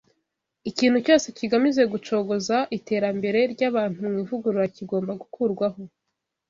Ikintu cyose kigamije gucogoza iterambere ry’abantu mu ivugurura kigomba gukurwaho.